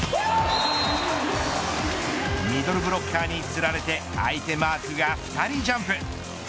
ミドルブロッカーにつられて相手マークが２人ジャンプ。